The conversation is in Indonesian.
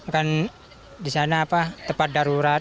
kan di sana apa tepat darurat